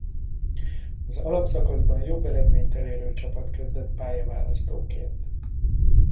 Az alapszakaszban jobb eredményt elérő csapat kezdett pályaválasztóként.